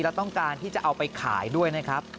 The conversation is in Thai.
แล้วต้องการที่จะเอาไปขายด้วยนะครับ